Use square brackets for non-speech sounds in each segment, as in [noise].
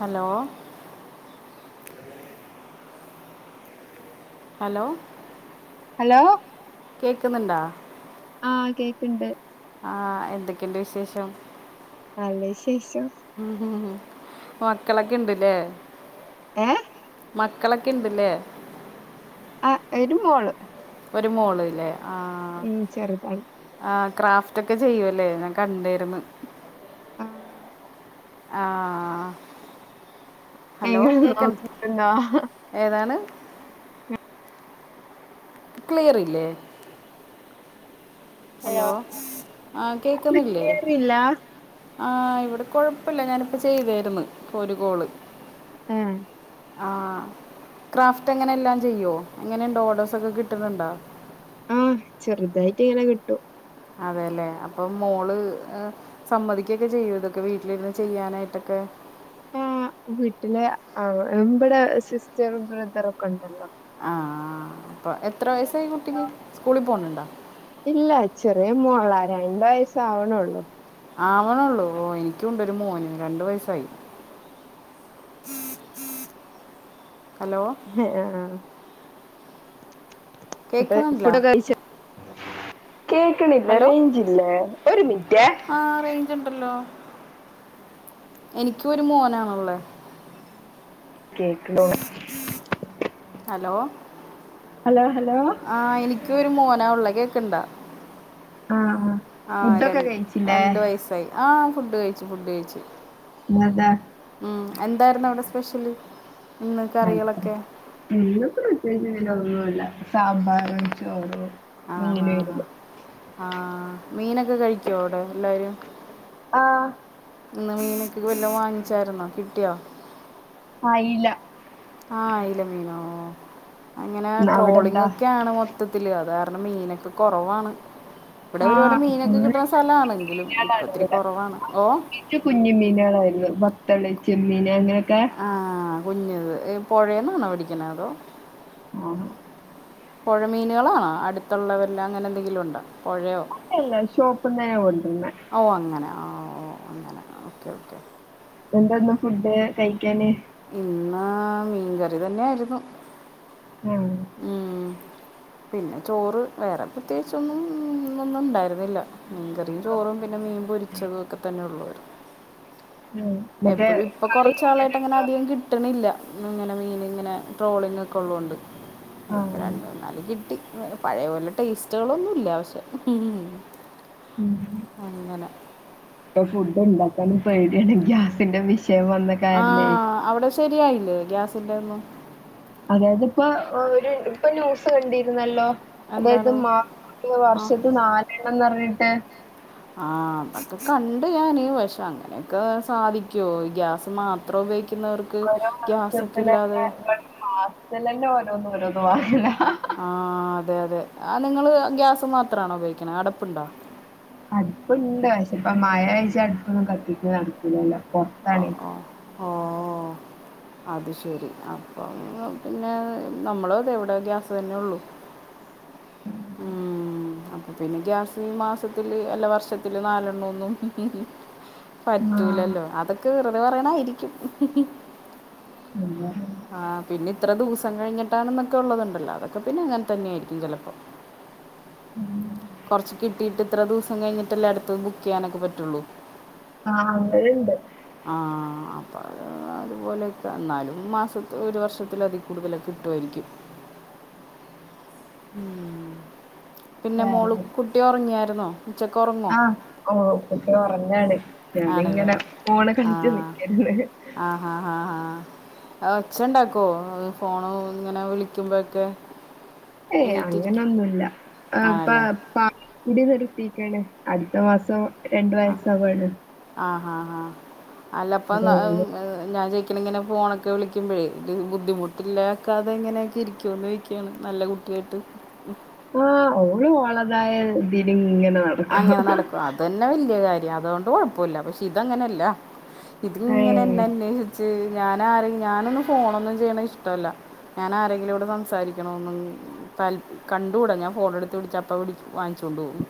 Hello hello hello കേക്കുന്നുണ്ടാ ആ കേക്ക്ണ്ട് ആ എന്തൊക്കെയുണ്ട് വിശേഷം നല്ല വിശേ ഉം മക്കളൊക്കെ ഇണ്ട്ല്ലേ ഏ മക്കളൊക്കെ ഇണ്ട് ല്ലേ ആ ഒരുമോള് ഒരു മോള്ല്ലേ ഉം ചെറുതാണ് ക്രാഫ്റ്റ് ഒക്കെ ചെയ്യുവല്ലേ ഞാൻ കണ്ടിരുന്ന് ആഹ് ആ ഹലോ എങ്ങനെ കേക്കൻ നോക്കിട്ടുണ്ടോ ഏതാണ് ക്ലിയർ ഇല്ലേ? ഹലോ ആ ഹലോല്ല ആഹ് ഇവിടെ കൊഴപ്പില്ല ഞാനിപ്പോ ചെയ്തായിരുന്നു ഒരു കോള് ആഹ ആ ക്രാഫ്റ്റ് എങ്ങനെ എല്ലാം ചെയ്യുമോ എങ്ങനെയുണ്ടോ ഓർഡേഴ്സൊക്കെ കിട്ടുന്നുണ്ടോ ആഹ് ചെറുതായിട്ട് ഇങ്ങനെ കിട്ടു അതെല്ലേ അപ്പൊ മോള് സമ്മതിക്കൊക്കെ ചെയ്യും ഇതൊക്കെ വീട്ടിലിരുന്ന് ചെയ്യാനായിട്ടൊക്കെ വീട്ടിലെ ആ ഇവിടെ സിസ്റ്ററും ബ്രദറ ഒക്കെ ഉണ്ടല്ലോ ആഹ അപ്പ എത്ര വയസായി കുട്ടിക്ക് സ്കൂളിൽ പോണണ്ടോ മോളാര എണ്ട വയസ്സ ആാവണള്ളൂ ആവനേ ഉള്ളു എനിക്കുണ്ട് ഒരു മോന് രണ്ടു വയസായി ഹഹ ആ ആ കേൾക്കുന്നില്ല അപ്പേഫുടൊക്കെ കഴിച്ച കേക്കണില്ല ഹലോ റേഞ്ച്ല്ലേ ഒരു മിനിറ്റ് ആ റേഞ്ച് ഉണ്ടല്ലോ എനിക്കും ഒരു മോനാണല്ലേ കേക് ലോണ ഹലോ ഹലോ ആഹ എനിക്ക ഒരു മൂനാ ഉള്ളക്കെ കേൾക്കുന്നണ്ടാ ആഹ ആ രണ്ട വയസായി ആഹ ഫുഡ് കഴിച്ചു ഫുഡ് കഴിച്ചു ഇന്നെന്താ ഉം എന്തായിരുന്നു അവിടെ സ്പെഷ്യല്ി അെ ഉ [unintelligible] ഒന്നുംല്ല സാമ്പാർ ഒിച്ചോറോ ആ ആ ആ മീനൊക്കെ കഴിക്കുവോ അവിടെ എല്ലാരും? ആഹ് ഇന്ന് മീനൊക്ക പിന്നെ വാങ്ങിച്ചായിരുന്നോ കിട്ടിയോ? അയില ആ അയില മീനോ? ഓ അങ്ങനെ അവിടെ ട്രോളിംഗ എന്താ ഒക്കെയാണ് മൊത്തത്തില് അത മീനൊക്കെ കുറവാണ്. ഇവിടെ ഒരുപാട് ആഹ് മീനൊക്കെ ഫുള്ള് കിട്ടുന്ന സ്ഥലമാണ്. എങ്കിലും ഇപ്പ മീനാളാണ് ഒത്തിരി ഇവിടെ കുറവാണ്. ഓ പത്തല്, ചെമ്മീന് അങ്ങനെ ക ആ [unintelligible] കുഞ്ഞത് പുഴേന്നാണോ പിടിക്കണേ? അതോ? ഉം പുഴമീനുകളാണോ അടുത്തുള്ളവരിലങ്ങനെ എന്തെങ്കിലും ഉണ്ടോ? പുഴയോ ഇല്ല ഷോപ്പ്ന്നേനെ കൊണ്ടന്ന് ഓ അങ്ങനെ ആ ഓ അങ്ങനെ ഓക്കെ ഓക്കെ. എന്താന്ന് ഫുഡ് കഴിക്കാന്? ഇന്ന് മീൻകറി തന്നെയായിരുന്നു. ഉം- ഉം. പിന്നെ ചോറ് വേറെ പ്രത്യേകിച്ചൊന്നുംഇന്ന് ഒന്നും ഒ ണ്ടായിരുന്നില്ല. മീൻ കറിയും ചോറും പിന്നെ മീൻ പൊരിച്ചതും ഒക്കെ തന്നെ ഉള്ളു. ഉം മറ്റേ എപ്പഴും ഇപ്പൊ കളി കൊറച്ച് നാ ളായിട്ട് അങ്ങനെ കാണലുണ്ടോ അധികം കിട്ട്ണില്ല. ഇങ്ങനെ മീൻ ഇങ്ങനെ ട്രോളിങ് ഒക്കെ ഉള്ളോണ്ട്. ആഹ് ഇപ്പരണ്ട് മൂന്നാല് കിട്ടി- പഴയപോലെ ടേസ്റ്റുകളൊന്നുംല്ല പക്ഷെ? ഉം അങ്ങനെ- ഇപ്പൊ ഫുഡ് ഉണ്ടാക്കൻ പേടിയാണ്. ഗ്യാസിന്റെ വിഷ് ആ അവിടെ ശരിയായി. ഇല്ലേ ഗ്യാസിന്റെ ഒന്നും അതായത് ഇപ്പ ഒരു ഇപ്പം ന്യൂസ് കണ്ടിരുന്നല്ലോ? അതായത് എന്താണ് മാ ആ വർഷത്ത് നാലെണ്ണംന്ന് പറഞ്ഞി ട്ടെ- ആ അതൊക്കെ കണ്ട് ഞാന്. പക്ഷെ അങ്ങനെയൊക്കെ സാധിക്കോ ഗ്യാസ് മാത്രം ഉപയോഗിക്ക ഓരോ മാസത്തിൽ തന്നെ ഞാൻ മാസത്തിൽതെന്ന ഓരോന്നരോ [unintelligible] ആ അതെ അതെ ആ നിങ്ങള് ഗ്യാസ് മാത്രമാണോ ഉപയോഗിക്കുന്നത്? അടപ്പുണ്ടോ? അടുപ്പുണ്ട്, പക്ഷേ ഇപ്പ മഴയായിട്ടു അടുപ്പൊന്നും കത്തിക്ക നടക്കൂലല്ലോ? ആ പൊറത്താണേ ആ ഓ അത് ശരി അപ്പം പിന്നെ നമ്മള് അതെ ഇവിടെ ഗ്യാസ് തന്നെ ഉള്ളു. ഉം അപ്പൊ പിന്നെ ഗ്യാസി മാസത്തില് അല്ല വർഷത്തില് നാലെണ്ണൂന്നും ആഹ് പറ്റൂലല്ലോ അതൊ ക്കെ വെറുതെ പറയണതായിരിക്കും. അല്ല ആ പിന്നെ ഇത്ര ദിവസം കഴിഞ്ഞിട്ടാണെന്നൊക്കെ ഉള്ളതുണ്ടല്ലോ അതൊക്കെ പിന്നെ അങ്ങനെ തന്നെയായിരിക്കും ചെലപ്പോ. ടുത്തത് ബുക്ക് ചെയ്യാനൊക്കെ പറ്റുള്ളൂ. ആ അങ്ങനെ ഉണ്ട് ആ അപ്പൊ അതുപോലെയൊക്കെ എന്നാലും മാസത്തിൽ ഒരു വർഷത്തിൽ അതി കൂടുതലൊക്കെ കിട്ടുവായിരിക്കും. ഉം പിന്നെ മോള് കുട്ടി ഉറങ്ങിയാ കിടന്നോ? ആ ഓ കുട്ടി ഉറങ്ങാണ് ആണല്ലേ ആ നിക്കേര്ന്ന് ആ ആ ആ ആ അത് ഒച്ചയൊണ്ടാ ഫോണ് ഇങ്ങനെ വിളിക്കുമ്പോക്കെ ഏയ് അങ്ങനൊന്നുവില്ല പ ആണല്ലേ പ പ കുടി നിർത്തിക്കാണ് അടുത്ത മാസം രണ്ട് വയസാവാണ് ആ അല്ലപ്പം ഉം ഞാൻ ചോദി ഇങ്ങനെ ഫോണൊക്കെ വിളിക്കുമ്പഴേ ഇ ബുദ്ധിമുട്ടിലാക്കാതെ ഇങ്ങനെയൊക്കെ ഇരിക്കുവോന്ന് ചോദിക്കയാണ് നല്ല കുട്ടിയായിട്ട് ആ ഓളു ഓളതായ [unintelligible] നടക്കും. അങ്ങനെ നടക്കും അത് തന്നെ വല്യ കാര്യം അതോണ്ട് അതുകൊണ്ട് കുഴപ്പമില്ല പക്ഷെ ഇതങ്ങനല്ല- ഇത് ഇങ്ങനെ ഏഹ് എന്നെ അന്വേഷിച്ച് ഞാൻ ആരെയും ഞാനൊന്നും ഫോണൊന്നും ചെയ്യണ ഇഷ്ടവല്ല. ഞാൻ ആരെങ്കിലോടും സംസാരിക്കണോന്നൊന്നും താല്പ കണ്ടൂട ഞാൻ ഫോണ് എടുത്ത് പിടിച്ച അപ്പം വിടിച്ച് വാങ്ങിച്ചോണ്ട് പോകും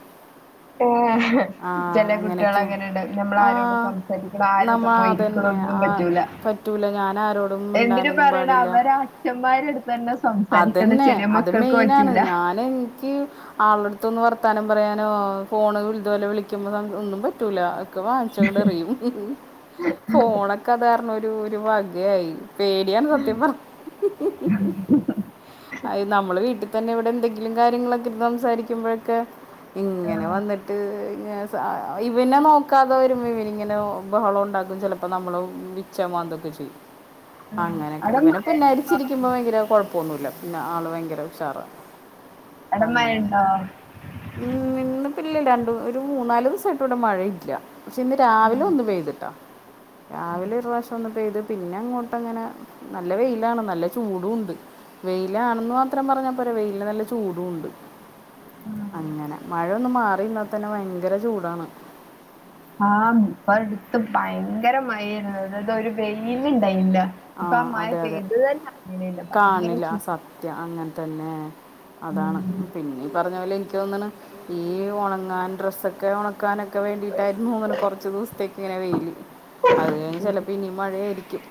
ആ ചെല കുട്ടികൾ അങ്ങനെയൊക്കെയാണ് അങ്ങനെയുണ്ട് നമ്മൾ ആ ആരോട് സംസാരിക്കണം ആരൊക്കെ നമ്മൾ പോയിരിക്കണം അതന്നെ ഒന്നും ആ പറ്റൂല പറ്റൂല ഞാൻ ആരോടും എന്തിനു മിണ്ടാനൊന്നും പറയണം പാടില്ല അവര് അച്ഛന്മാരടുത്ത് തന്നെ സംസാരിക്കണ അതന്നെ ചെല അത് മക്കൾക്ക് മെയിനാണ് പറ്റൂല ഞാൻ എനിക്ക് ആളുടെ അടുത്തൊന്ന് വർത്താനം പറയാനോ ഫോണ് ഇതുപോലെ വിളിക്കുമ്പോ ഒന്നും പറ്റൂല വാങ്ങിച്ചങ്ങട് എറിയും ഫോണൊക്കെ അത് കാരണം ഒരു ഒരു വകയായി പേടിയാണ് സത്യം പറ അത് നമ്മള് വീട്ടിൽ പിന്നെ ഇവിടെ എന്തെങ്കിലും കാര്യങ്ങളൊക്കെ സംസാരിക്കുമ്പോഴൊക്കെ ഇങ്ങനെ ട്ട് ഇവനെ നോക്കാതെ വരുമ്പോ ഇവനിങ്ങനെ ബഹളം ഉണ്ടാക്കും ചെലപ്പോ നമ്മളെ പിച്ചേം മാന്തേം ഒക്കെ ചെയ്യും ആഹ്. അങ്ങനെയൊക്കെ അവടെ ഇവനെ മഴണ്ടോ? പുന്നാരിച്ചിരിക്കുമ്പോ ഭയങ്കര കുഴ പിന്നെ ആള് ഭയങ്കര ഉഷാറാ അവടെ അങ്ങനെ മഴണ്ടോ? ഉം വിണ്ണും രണ്ടും ഒരു മൂന്നാല് ദിവസമായിടട്ട് ഇവിടെ മഴ ഇല്ല പക്ഷെ ഇന്ന് രാവിലെ ആഹ്. ഒന്ന് പെയ്തിട്ടാ ഏഹ് രാവിലെ ഒരു പ്രാവശ്യം ഒന്ന് പെയ്തു പിന്നെ അങ്ങോട്ടഅങ്ങനെ നല്ല വെയിലാണ് നല്ല ചൂടുണ്ട് വെയിലാണെന്ന് മാത്രം പറഞാ പോരാ വെയ്‌ലിൻ നല്ല ചൂടുണ്ട് ആഹ്. അങ്ങനെ മഴ ഒന്ന് മാറിന്നാ തന്നെ ഭയങ്കര ചൂടാണ് ആഹ ഇപ്പ എടുത്ത് ഭയങ്കര മഴആയിരുന്നു ഇത് ഒരു വെയില് ഇണ്ടായിരുനില്ല ആഹ അതെ അതെ ഭയങ്കര കാണില്ല ചൂ സത്യം അങ്ങനെ തന്നെ അതാണ് ഉം പിന്നീ ഈ പറഞ്ഞ പോലെ എനിക്ക് തോന്ന്ണ് ഈ ഉണങ്ങാൻ ഡ്രസ്സൊക്കെ ഉണക്കാനൊക്കെ ക്കെ വേണ്ടിട്ട് ആയിരുന്നു ഇങ്ങനെ കുറച്ച് ദിവസത്തേക്ക് ഇങ്ങനെ വെയില് അത് കഴിഞ്ഞ് ചിലപ്പോ ഇനീം മഴ ആയിരിക്കും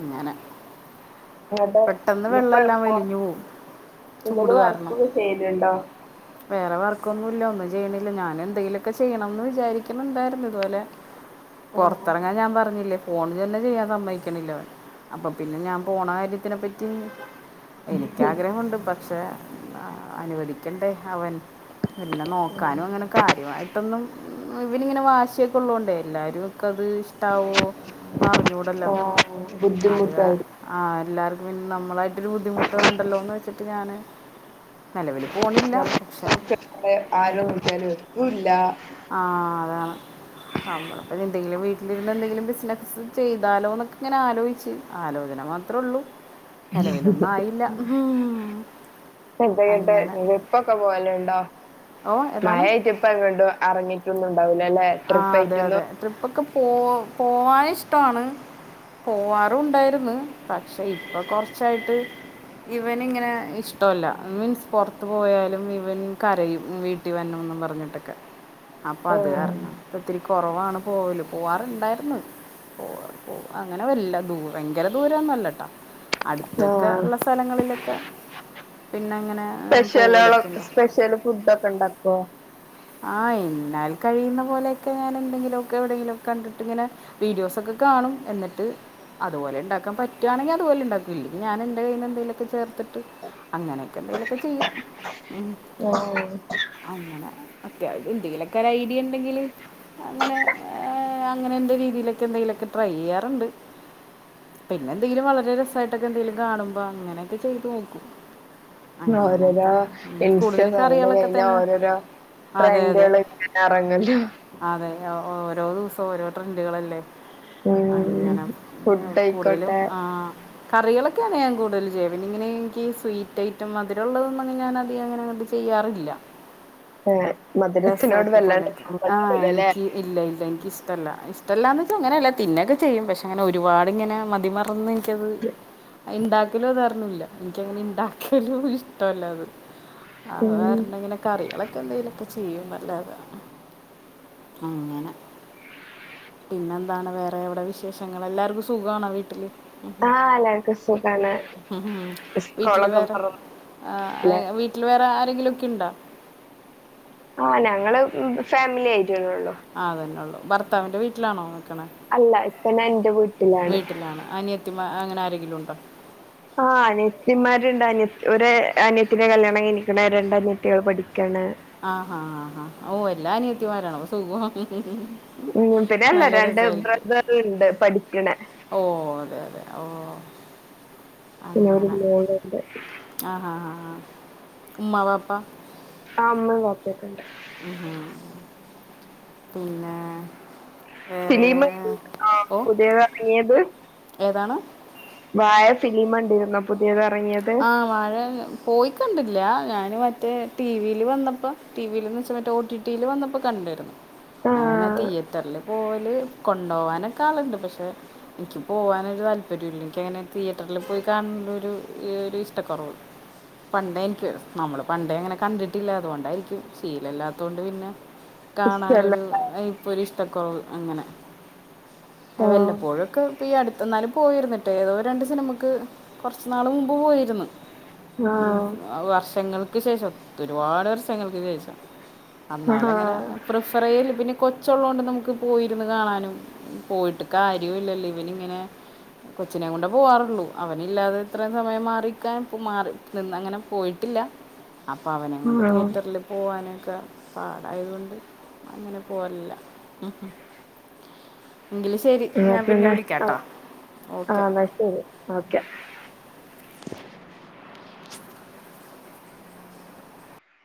ഇങ്ങനെ പെട്ടെന്ന് വെള്ളമെല്ലാം വലിഞ്ഞു പോവും ഇതില് ചൂട് കാരണം വർക്കൊക്കെ ചെയ്തിണ്ടോ? വേറെ വർക്കൊന്നും ഇല്ല ഒന്നും ചെയ്യണി ഞാൻ എന്തെങ്കിലും ഒക്കെ ചെയ്യണം ന്ന് വിചാരിക്കും ന്ന് ണ്ടായിരുന്നു ഇതുപോലെ ആഹ് പുറത്തിറങ്ങാൻ ഞാൻ പറഞ്ഞില്ലേ ഫോണ് തന്നെ ചെയ്യാൻ സമ്മയിക്കണില്ലാ അവൻ. അപ്പൊ പിന്നെ ഞാൻ പോണ കാര്യത്തിനെ പറ്റി എനിക്ക് ആഗ്രഹമുണ്ട് ഇപ്പം പക്ഷേഅ അനുവദിക്കണ്ടേ അവൻ പിന്നെ നോക്കാനും അങ്ങനെ കാര്യമായിട്ടൊന്നും ഇവൻ ങ്ങനെ വാശ്യക്കെ ള്ളോണ്ട് എല്ലാരും ക്കത് ഇഷ്ടാവോ ന്നറിഞ്ഞൂടല്ലോ ആഹ് അത് എ ബുദ്ധിമുട്ടായിരിക്കും അ എല്ലാർക് പിൻ നമ്മളായിട്ട് ഒരു ബുദ്ധിമുട്ട് വാണ്ടല്ലോ ന്ന് വെച്ചിട്ട് ഞാന് നിലവിൽ പോണില്ലാ ശേ അവിടെ ആരും വിളിച്ചാലും എത്തൂല്ല ആ അതാണ് നമ്മൾ ഇപ്പൊ ഇത് എന്തെങ്കിലും വീട്ടിലിരുന്നെന്തെങ്കിലും ബിസിനസ് സ് ചെയ്താലോ ന്നൊക്കെ ങ്ങനെ ആലോയിച്ച് ആലോചന മാത്ര ഉള്ളൂ [unintelligible] നിലവിലൊന്നും ആയില്ല ഉം. അങ്ങനെ ഇപ്പൊക്കെ പോ പലുണ്ടോ ഓ ഏതാണ് മഴായിട്ട് ഇപ്പൊ എങ്ങട്ടും അറങ്ങി റ്റൊന്നും ഉണ്ടാവൂലല്ലെ ആ അതെ അതെ ട്രിപ്പായിട്ടൊന്നും ട്രിപ്പൊക്കെ പോ പോവാന് ഇഷ്ടമാണ്. പോവാറും ഉണ്ടായിരുന്ന്. പക്ഷെ ഇപ്പൊ കുറച്ചായിട്ട് ഇവൻ ഇങ്ങനെ ഇഷ്ടമല്ല മീൻസ് പുറത്ത് പോയാലും ഇവൻ കരയും വീട്ടിൽ വരണോന്ന് പറഞ്ഞിട്ടൊക്കെ അപ്പൊ അത് ആഹ് കാരണാ. ഒത്തിരി കുറവാണ് പോവല് പോവാറുണ്ടായിരുന്നു പോ പോ അങ്ങനെ വല്ല ഭയങ്കര ദൂരൊന്നല്ലട്ടാ അടുത്തൊക്കെ ആഹ് ഉള്ള സ്ഥലങ്ങളിലൊക്കെ പിന്നെ എങ്ങനെ സ്പെഷ്യലുകളൊ പോവലൊക്കെ ണ്ട് സ്പെഷ്യൽ ഫുഡൊക്കെ ഉണ്ടാക്കുവോ ആഹ് എന്നാൽ കഴിയുന്ന പോലെയൊക്കെ ഞാൻ എന്തെങ്കിലുമ ഒക്കെ എവിടെങ്കിലും കണ്ടിട്ട് ഇങ്ങനെ വീഡിയോസൊക്കെ കാണും എന്നിട്ട് അതുപോലെ ഉണ്ടാക്കാൻ പറ്റുവാണെങ്കിൽ അതുപോലെണ്ടാക്കും ഇല്ലെങ്കിൽ ഞാൻ എന്റെ കയ്ൽ എന്തെങ്കിലുമൊക്കെ ചേർ അങ്ങനെയൊക്കെ എന്തെലൊക്കെ ചെയ്യും ആഹ് അങ്ങനെ ത് എന്തെങ്കിലുമൊക്കെ ഐഡിയ ഉണ്ടെങ്കില് അങ്ങനെ അങ്ങനെന്റെ രീതിയിലൊക്കെ എന്തെങ്കിലുമൊക്കെ ട്രൈ ചെയ്യാറുണ്ട് പിന്നെ എന്തെങ്കിലും വളരെ രസായിട്ടൊക്കെ എന്തെിലും കാണുമ്പോ അങ്ങനെയൊക്കെ ചെയ്ത് നോക്കും ഓരോരോ അങ്ങനെയൊക്കെ ഉം. പൈസ കൂടുതലും പറിന്ന കറികളൊക്കെ കഴിഞ്ഞാ തന്നെ ഓരോരോ അതെ അതെ ട്രെൻഡുകൾ ഇങ്ങനെ എറങ്ങല്ലോ അതെ ഓ ഓരോ ദിവസവും ഓരോ ട്രെൻഡുകളല്ലേ ഉം അങ്ങനെ പിന്ന കൂടുതലും ഫുഡായിക്കോട്ടെ ആഹ് കറികളൊക്കെയാണ് ഞാൻ കൂടുതൽ ചെയ്യ പിന്നെ ഇങ്ങനെ എനിക്ക് സ്വീറ്റ് ഐറ്റം അതിലുള്ളതൊന്നും ഞാൻ അങ്ങനെ അങ്ങട്ട് ചെയ്യാറില്ല ഏഹ് മധുരത്തിനോട് ഡെസേർട്ട് വല്ലാണ്ട് പോലൊക്കെ ആഹ് കമ്പണ്ടാവൂലല്ലേ എനിക്ക് ഇല്ല ഇല്ല എനിക്ക് ഇഷ്ടമല്ല ടല്ലാന്ന് വെച്ച അങ്ങന അല്ലേ തിന്നക്കെ ചെയ്യും പക്ഷെ അങ്ങനെ ഒരുപാടിങ്ങനെ മതിമറന്ന് റ്റത് അയ് ഇണ്ടാക്കലൊന്നു അറി ന്നില്ല എനിക്കങ്ങനെ ഇണ്ടാക്കലും ഇഷ്ടല്ല അത് ഉം അഹ്ർഞ്ഞാ ഇങ്ങനെ കറികളൊ എന്തെലവക്കെ ചെയ്യും ന്നല്ലാതെ അങ്ങനെ പിന്നെന്താണ് വേറെ എവിടെ വിശേഷങ്ങൾ എല്ലാർക്കും സുഖാണോ വീട്ടില് ആഹ് എല്ലാർക്കും സുഖാണ് ആഹ് വീട്ടില് സ്കൂളൊക്കെ വേറെ തൊറന്നില്ലേ ആ വീട്ടിൽ വേറെ ആ എന്തെങ്കില് ഒക്കെ ഇണ്ടോ ആഹ് ഞങ്ങള് ഫാമിലി ആയി അതെന്നെ ള്ള് ഭർത്താവിൻ്റെ വീട്ടിലാണോ അല്ല ഇപ്പൊ ഞാൻ എന്റെ വീട്ടിലാണ് അനിയത്തി മാര് അങ്ങനെ ആരെ ങ്കിലുണ്ടോ ആ അനിയത്തിമാരുണ്ട് അനിയ ഒര് അനയത്തിന്റെ കല്യാണം കഴിഞ്ഞ്ക്ക്ണ് രണ്ട് അനിയത്തികൾ പഠിക്കാണ് ആ ഹാ ഹാ ഓ എല്ലാം അനിയത്തി മാരാണോ അപ്പൊ സുഖാണ് ഉം പിന്നെല്ല രണ്ട് ബ്രദറുണ്ട് പഠിക്ക്ണെ ഓ അതെ അതെ ഓ ഒരു അങ്ങനെ മോളുണ്ട് അഹാ ഹാ ഹാ ഉമ ബാപ്പാ ആ ഉമ്മിം വിപ്പിം ക്കൊണ്ട് ഉംപിന്നെ സിനിമ [inaudible] പുതിയത് ഇറങ്ങിയത് ഏതാണ് വാഴ ഫിലിമ് കണ്ടിരുന്നോ പുതിയത് എറ ആഹ് വാഴ പോയിക്കണ്ടില്ല ഞൻറ് മ മറ്റേ ടിവിയിൽ വന്നപ്പോ ടിവില് ന്ന് വെച്ചാ മറ്റേ ഓ ടി ടി ല് വന്നപ്പോ കണ്ടിരുന്നു ആ അങ്ങനെ തിയേറ്ററില് പോവല് കൊണ്ടുപോകാനൊക്കെ ആളുണ്ട് പക്ഷെ എനിക്ക് പോകാനൊരു താല്പര്യമില്ല എനിക്കങ്ങനെ തിയേറ്ററിൽ പോയി കണ്ടൊരു ഈ ഒരു ഇഷ്ടക്കുറവ് പണ്ടായിക്കും നമ്മള് പണ്ടേ അങ്ങനെ കണ്ടിട്ടില്ലാതുകൊണ്ടായിരിക്കും ശീലല്ലാത്ത കൊണ്ട് പിന്നെ ഇഷ്ടല്ല കാണാനൊരു ഇപ്പൊരു ഇഷ്ടക്കുറവ് അങ്ങനെ ആ വല്ലപ്പോഴുമൊക്കെ ഇപ്പ ഈ അടു എന്നാലും പോയിരുന്നിട്ടേ ഏതോ രണ്ട് സിനിമക്ക് കുറച്ച് നാളുമുമ്പ് പോയിരുന്നു ആ ഉം വർഷങ്ങൾ ക്ക് ശേഷം ഒരുപാട് വർഷങ്ങൾക്ക് ശേഷം ആ അന്നാലും അങ്ങനെ ആ പ്രിഫർചെയ്യല് പിന്നെ കൊ കൊച്ച് ഉള്ളതുകൊണ്ട് നമുക്ക് പോയിരുന്നു കാണാനും പോയിട്ട് കാര്യവും ഇല്ലല്ലോ ഇവനിങ്ങനെ കൊച്ചിനെകൊണ്ടെ പോകാറുള്ളൂ അവനില്ലാതെ ഇത്രയും സമയം മാറിക്കാൻ ഇപ്പോ മാറി നിന്ന് അങ്ങനെ പോയിട്ടില്ല അപ്പോ അവനെ കൊണ്ട് തിയേറ്ററിൽ പോവാനൊക്കെ പാടായത് കൊണ്ട് അങ്ങനെ പോവലില്ല എന്നാ പിന്നെ ആ ഓക്കെ എന്നാ ശരി ഓക്കെ